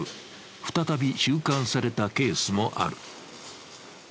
再び収監されたケースもある。